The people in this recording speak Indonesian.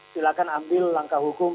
silahkan ambil langkah hukum